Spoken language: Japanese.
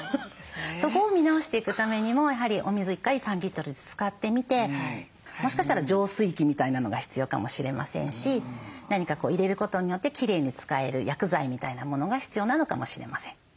そこを見直していくためにもやはりお水１回３リットルで使ってみてもしかしたら浄水器みたいなのが必要かもしれませんし何か入れることによってきれいに使える薬剤みたいなものが必要なのかもしれません。